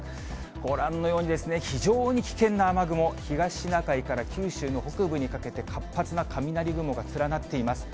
ご覧のように、非常に危険な雨雲、東シナ海から九州の北部にかけて、活発な雷雲が連なっています。